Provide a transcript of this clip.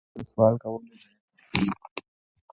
کورس د سوال کولو جرأت ورکوي.